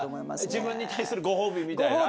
自分に対するご褒美みたいな？